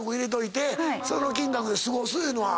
その金額で過ごすいうのは。